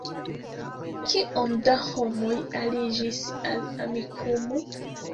Kiom da homoj aliĝis al Amikumu?